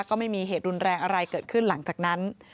ก็ไม่มีเหตุรุนแรงอะไรเกิดขึ้นหลังจากนั้น